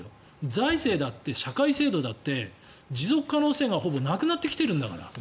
財政だって社会制度だって持続性がなくなってきてるんだから。